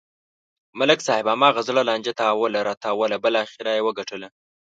ملک صاحب هماغه زړه لانجه تاووله راتاووله بلاخره و یې گټله.